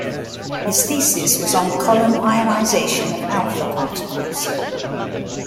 His thesis was on column ionization of alpha particles.